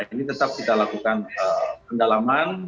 ini tetap kita lakukan pendalaman